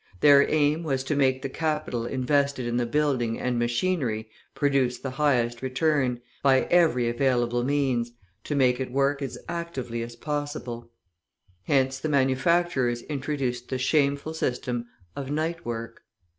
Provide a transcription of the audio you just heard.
Their aim was to make the capital invested in the building and machinery produce the highest return, by every available means, to make it work as actively as possible. Hence the manufacturers introduced the shameful system of night work.